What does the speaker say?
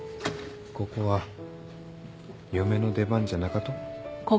ここは嫁の出番じゃなかと？